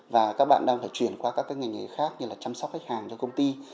và các bạn đang phải chuyển qua các ngành nghề khác như là chăm sóc khách hàng cho công ty